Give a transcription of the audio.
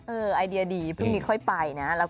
ไอเดียดีพรุ่งนี้ค่อยไปนะ